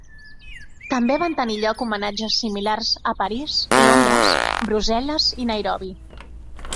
També van tenir lloc homenatges similars a París, Londres, Brussel·les i Nairobi.